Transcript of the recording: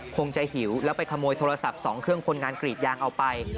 คงจะหิวแล้วไปขโมยโทรศัพท์๒เครื่องคนงานกรีดยางเอาไป